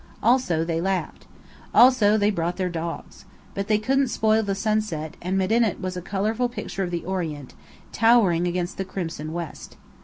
Also they laughed. Also they brought their dogs. But they couldn't spoil the sunset, and Medinet was a colourful picture of the Orient, towering against the crimson west.